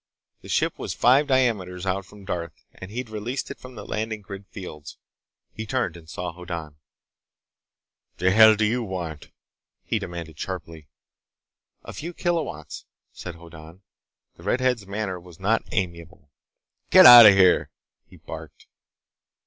The ship was five diameters out from Darth, and he'd released it from the landing grid fields. He turned and saw Hoddan. "What the hell do you want?" he demanded sharply. "A few kilowatts," said Hoddan. The redhead's manner was not amiable. "Get outta here!" he barked.